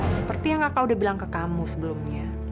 seperti yang kau udah bilang ke kamu sebelumnya